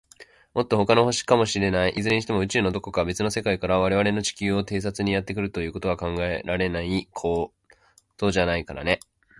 もっと、ほかの星かもしれない。いずれにしても、宇宙の、どこか、べつの世界から、われわれの地球を偵察にやってくるということは、考えられないことじゃないからね。